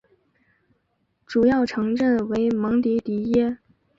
主要城镇为蒙迪迪耶。